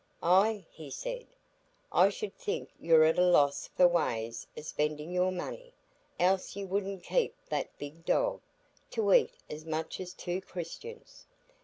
"Ah," he said, "I should think you're at a loss for ways o' spending your money, else you wouldn't keep that big dog, to eat as much as two Christians.